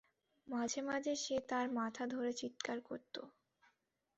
মাঝে মাঝে, সে তার মাথা ধরে চিৎকার করতো।